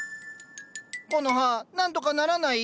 コノハ何とかならない？